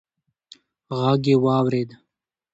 غږ يې واورېد: